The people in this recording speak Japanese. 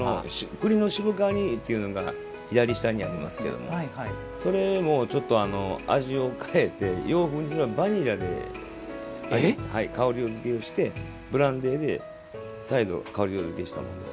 くりの渋皮煮というのが左下にありますけどそれも、ちょっと味を変えて洋風に、バニラで香りづけをしてブランデーで再度香りづけしたものです。